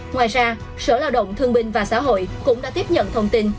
ngoài ra sở lao động thương binh và xã hội cũng đã tiếp nhận thông tin